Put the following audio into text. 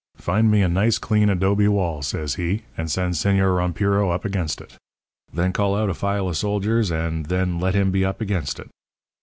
"Find me a nice, clean adobe wall," says he, "and send Señor Rompiro up against it. Then call out a file of soldiers and then let him be up against it."